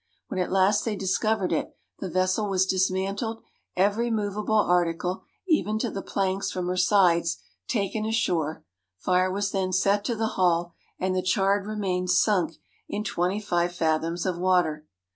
When at last they discovered it, the vessel was dismantled, every movable article, even to the planks from her sides, taken ashore ; fire was then set to the hull, and the 505 ISLANDS OF THE PACIFIC charred remains sunk in twenty five fathoms of water.